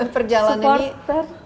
perjalanan ini supporter